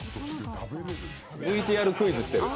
ＶＴＲクイズしてる。